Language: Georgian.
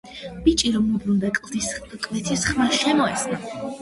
ბიჭი რომ მობრუნდა, კლდის კვეთის ხმა შემოესმა.